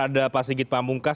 ada pak sigit pamungkas